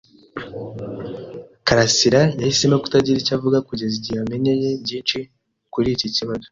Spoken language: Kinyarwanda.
karasira yahisemo kutagira icyo avuga kugeza igihe amenyeye byinshi kuri iki kibazo.